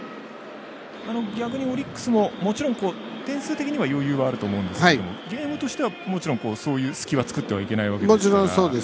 逆に、オリックスももちろん点数的には余裕があると思うんですけどゲームとしてはもちろん、そういう隙は作ってはいけないわけですから。